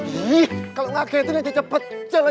ih kalau gak gantinya dia cepet jalan